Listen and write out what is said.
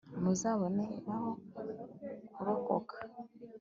muzaboneraho kurokoka